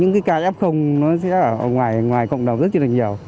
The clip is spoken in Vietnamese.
những cái ca ép không nó sẽ ở ngoài cộng đồng rất là nhiều